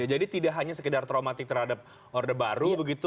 jadi tidak hanya sekedar traumatik terhadap order baru begitu